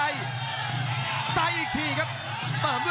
คมทุกลูกจริงครับโอ้โห